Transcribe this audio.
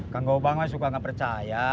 kang gobang suka gak percaya